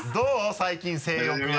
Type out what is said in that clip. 最近性欲は。